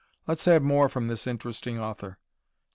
Let's have more from this interesting author.